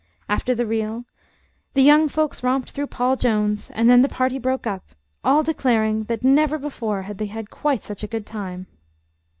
After the reel, the young folks romped through "Paul Jones," and then the party broke up, all declaring that never before had they had quite such a good time.